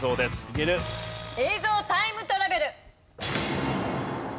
映像タイムトラベル！